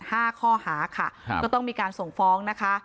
ห้าข้อหาค่ะครับก็ต้องมีการส่งฟ้องนะคะ